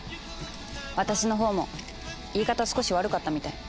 私のほうも言い方少し悪かったみたい。